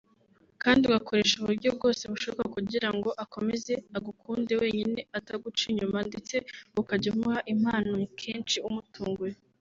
kandi ugakoresha uburyo bwose bushoboka kugira ngo akomeze agukunde wenyine ataguca inyuma ndetse ukajya umuha impano kenshi umutunguye